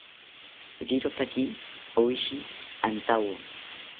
Rirotaki oshi antawo